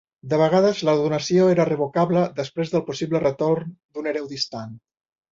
De vegades la donació era revocable després del possible retorn d'un hereu distant.